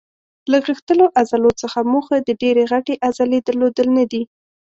له غښتلو عضلو څخه موخه د ډېرې غټې عضلې درلودل نه دي.